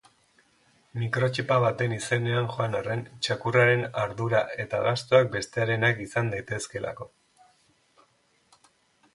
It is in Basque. Mikrotxipa baten izenean joan arren, txakurraren ardura eta gastuak bestearenak izan daitezkeelako.